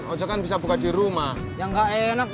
ajak ajak bisa buka di rumah yang enak